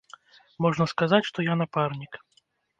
Можна сказаць, што я напарнік.